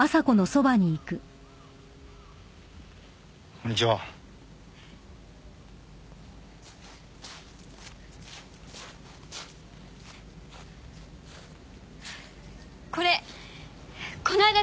こんにちはこれこないだ